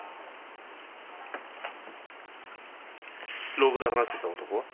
廊下で話していた男は？